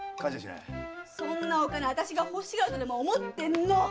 そんなお金あたしが欲しがるとでも思ってんの？